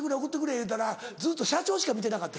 言うたらずっと社長しか見てなかった。